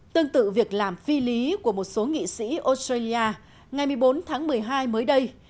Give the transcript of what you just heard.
tương tự việc làm phi lý của một số nghị sĩ australia ngày một mươi bốn tháng một mươi hai mới đây